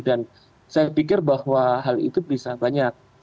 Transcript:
dan saya pikir bahwa hal itu bisa banyak